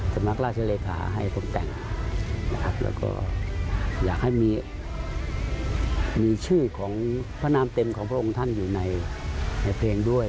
สำนักราชเลขาให้ผมแต่งนะครับแล้วก็อยากให้มีชื่อของพระนามเต็มของพระองค์ท่านอยู่ในเพลงด้วย